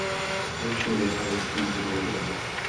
Společně vyhrály sedmý turnaj v řadě.